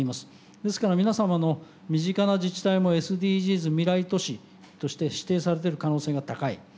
ですから皆様の身近な自治体もＳＤＧｓ未来都市として指定されてる可能性が高い。